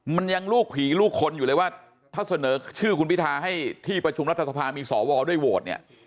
มันยังลูกผีลูกคนอยู่เลยว่าถ้าเสนอชื่อคุณพิทาให้ที่ประชุมรัฐสภามีสวด้วยโหวตเนี่ย